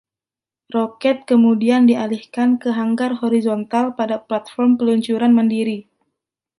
Roket kemudian dialihkan ke hanggar horizontal pada platform peluncuran mandiri.